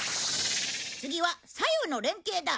次は左右の連携だ。